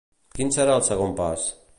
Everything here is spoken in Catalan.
Quin serà el segon pas?